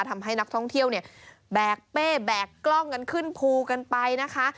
ทำให้นักท่องเที่ยวเนี่ยแบกเป้แบกกล้องกันขึ้นภูกันไปนะคะ